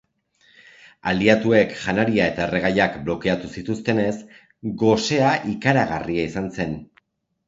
Aliatuek janaria eta erregaiak blokeatu zituztenez, gosea ikaragarria izan zen.